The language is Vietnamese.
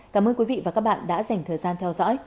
cảm ơn quý vị và các bạn đã dành thời gian theo dõi